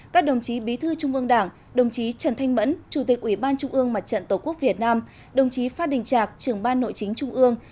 các đồng chí bí thư trung ương đảng đồng chí trần thanh mẫn chủ tịch ủy ban trung ương mặt trận tổ quốc việt nam đồng chí phát đình trạc trưởng ban nội chính trung ương